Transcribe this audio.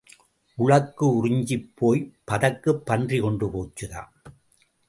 உழக்கு உறிஞ்சப் போய்ப் பதக்குப் பன்றி கொண்டு போச்சுதாம்.